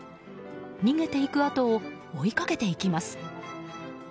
逃げていくあとを追いかけていきます。